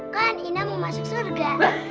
kan ina mau masuk surga